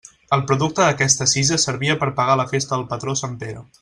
El producte d'aquesta cisa servia per a pagar la festa del patró sant Pere.